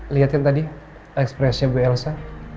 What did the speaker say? lihatin tadi ekspresi bu ilsa